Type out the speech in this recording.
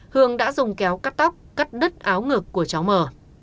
hương đã dùng kéo cắt tóc cắt đứt áo ngực của cháu mờ